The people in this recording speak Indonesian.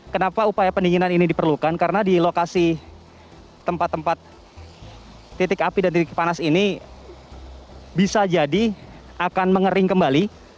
kenapa upaya pendinginan ini diperlukan karena di lokasi tempat tempat titik api dan titik panas ini bisa jadi akan mengering kembali